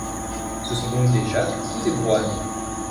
Ce sont donc des jaques ou des broignes.